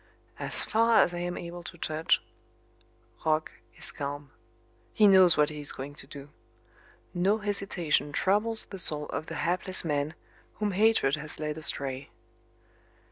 As far as I am able to judge, Roch is calm. He knows what he is going to do. No hesitation troubles the soul of the hapless man whom hatred has led astray.